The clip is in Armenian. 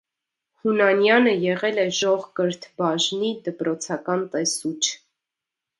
Հունանյանը եղել է ժողկրթբաժնի դպրոցական տեսուչ։